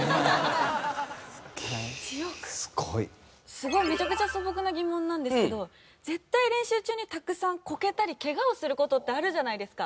すごいめちゃめちゃ素朴な疑問なんですけど絶対練習中にたくさんこけたりケガをする事ってあるじゃないですか。